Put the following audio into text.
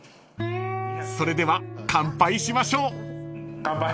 ［それでは乾杯しましょう］乾杯。